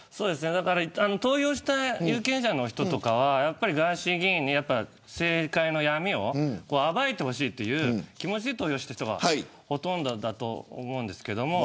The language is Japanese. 投票した有権者の人とかはガーシー議員に政界の闇を暴いてほしいという気持ちで投票した人がほとんどだと思いますけど。